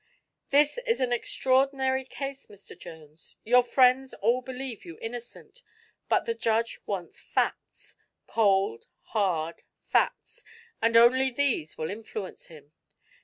"This is an extraordinary case, Mr. Jones. Your friends all believe you innocent, but the judge wants facts cold, hard facts and only these will influence him.